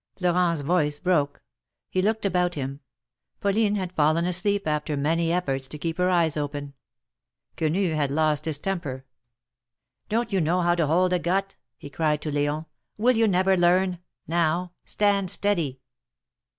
'' Florent's voice broke ; he looked about him. Pauline had fallen asleep after many efforts to keep her eyes open. Quenu had lost his temper. Don't you know how to hold a gut ?" he cried to L^on. Will you never learn ? Now, stand steady